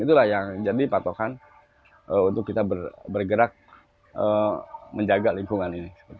itulah yang jadi patokan untuk kita bergerak menjaga lingkungan ini